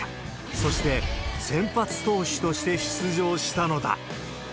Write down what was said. そして、先発投手として出場したのだ。